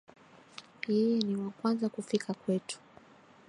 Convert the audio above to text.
Yeye ni wa kwanza kufika kwetu